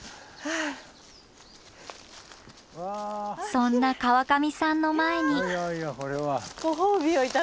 そんな川上さんの前に。